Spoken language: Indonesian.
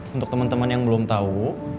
untuk teman teman yang belum tahu